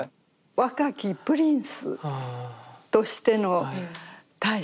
若きプリンスとしての太子。